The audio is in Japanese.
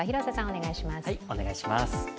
お願いします。